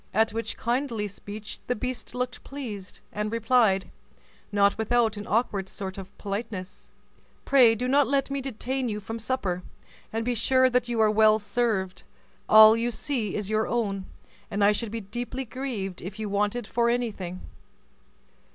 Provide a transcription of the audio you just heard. At which kindly speech the beast looked pleased, and replied, not without an awkward sort of politeness, "Pray do not let me detain you from supper, and be sure that you are well served. All you see is your own, and I should be deeply grieved if you wanted for anything."